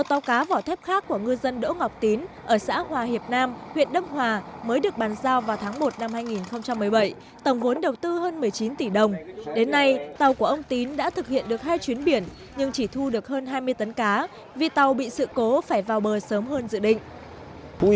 tàu cá của ông chị đã gặp phải trục chặt về motor và máy phát điện nên chỉ hành nghề trên biển nhưng chỉ thu được hơn hai mươi tấn cá vì tàu bị sự cố phải vào bờ sớm hơn dự định